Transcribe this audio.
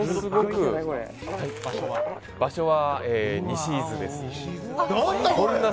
場所は西伊豆です。